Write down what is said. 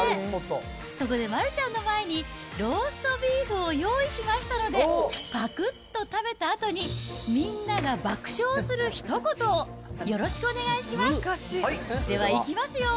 そこで丸ちゃんの前にローストビーフを用意しましたので、ぱくっと食べたあとに、みんなが爆笑するひと言をよろしくお願いします。